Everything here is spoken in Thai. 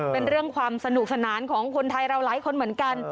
เป็นเรื่องความสนุกสนานของคนไทยเราหลายคนเหมือนกัน